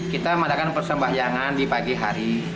kita mengadakan persembahyangan di pagi hari